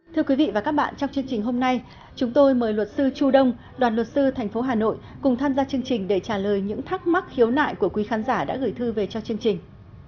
thưa quý vị và các bạn trong chương trình hôm nay chúng tôi mời luật sư chu đông đoàn luật sư thành phố hà nội cùng tham gia chương trình để trả lời những thắc mắc khiếu nại của quý khán giả đã gửi thư về cho chương trình